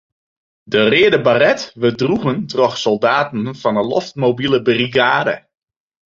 De reade baret wurdt droegen troch soldaten fan 'e loftmobile brigade.